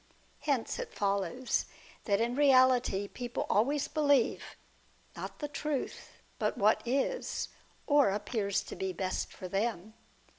Hence it follows, that in reality people always believe, not tha ^ tr ftth, but what is, or appears to be, best for them.